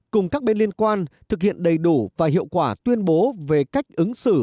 cùng các bên liên quan thực hiện đầy đủ và hiệu quả tuyên bố về cách ứng xử